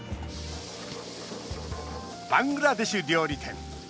バングラデシュ料理店。